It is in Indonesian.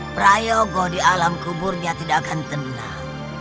prayogo di alam kuburnya tidak akan tenang